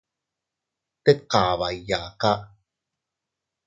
Tet kaba iyaaka.